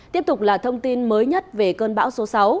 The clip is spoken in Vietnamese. tiếp tục là thông tin mới nhất về cơn bão số sáu